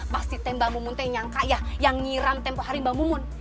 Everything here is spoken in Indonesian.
pasti mbak mumun teh yang nyangka ya yang nyiram tempoh hari mbak mumun